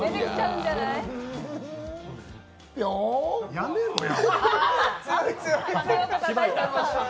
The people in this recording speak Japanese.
やめろや。